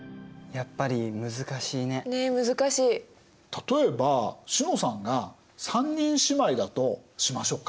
例えば詩乃さんが３人姉妹だとしましょうか？